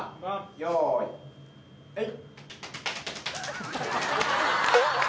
用意はい。